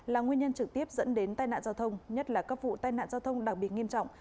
là nguyên nhân trực tiếp dẫn đến tai nạn giao thông nhất là các vụ tai nạn giao thông đặc biệt nghiêm trọng